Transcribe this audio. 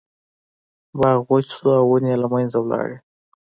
باغ وچ شو او ونې یې له منځه لاړې.